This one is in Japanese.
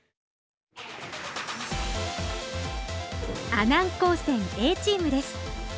阿南高専Ａチームです。